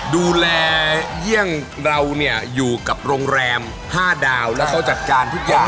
เยี่ยงเราเนี่ยอยู่กับโรงแรม๕ดาวแล้วเขาจัดการทุกอย่าง